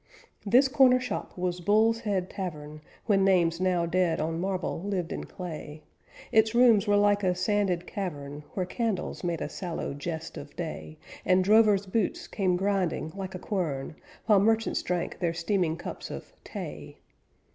This corner shop was Bull's Head Tavern, When names now dead on marble lived in clay; Its rooms were like a sanded cavern, Where candles made a sallow jest of day, And drovers' boots came grinding like a quern, While merchants drank their steaming cups of "tay."